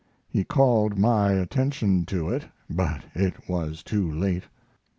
He called my attention to it, but it was too late.